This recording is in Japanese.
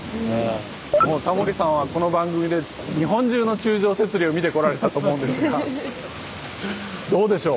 もうタモリさんはこの番組で日本中の柱状節理を見てこられたと思うんですがどうでしょう？